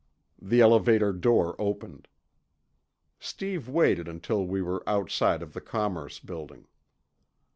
The elevator door opened. Steve waited until we were outside of the Commerce Building.